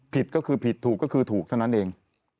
ผิดก็คือผิดถูกก็คือถูกเท่านั้นเอง